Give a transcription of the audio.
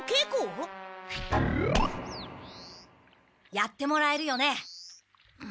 やってもらえるよね。